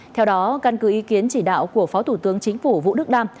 theo đó căn cứ ý kiến chỉ đạo của phó thủ tướng chính phủ vũ đức đam